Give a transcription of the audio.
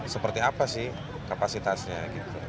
seperti apa sih kapasitasnya